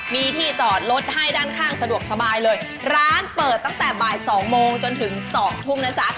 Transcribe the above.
มีที่จอดรถให้ด้านข้างสะดวกสบายเลยร้านเปิดตั้งแต่บ่ายสองโมงจนถึงสองทุ่มนะจ๊ะ